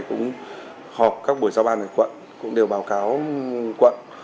cũng họp các buổi giao ban ở quận cũng đều báo cáo quận